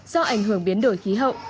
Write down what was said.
do ảnh hưởng biến đổi khí hậu